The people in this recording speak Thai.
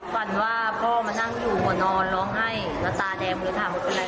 ฝันว่าพ่อมานั่งอยู่กับงดนอนร้องไห้ตะตาแดมมันมาถามว่านาน